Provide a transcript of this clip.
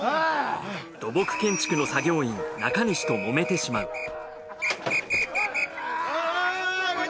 土木建築の作業員中西ともめてしまうおい